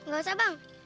gak usah bang